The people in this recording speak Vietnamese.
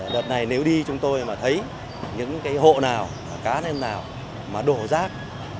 đợt này nếu đi chúng tôi mà thấy những cái hộ nào cá lên nào mà đổ rác